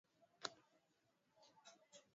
ziara hiyo hiyo kwenye Amazon hutupa tume ndogo